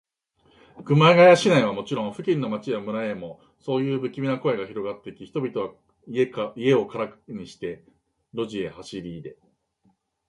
熊谷市内はもちろん、付近の町や村へも、そういうぶきみな声がひろがっていき、人々は家をからにして、街路へ走りいで、